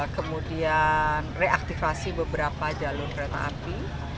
kemudian reaktivasi beberapa jalur kereta api